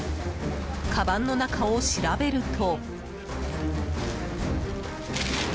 かばんの中を調べると。